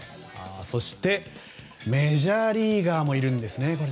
そして、メジャーリーガーもいるんですね。